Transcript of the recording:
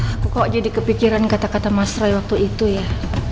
aku kok jadi kepikiran kata kata mas roy waktu itu ya